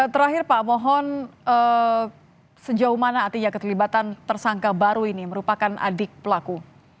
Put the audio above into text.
terakhir pak mohon sejauh mana artinya keterlibatan tersangka baru ini merupakan adik pelaku